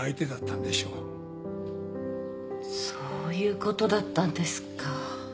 そういうことだったんですか。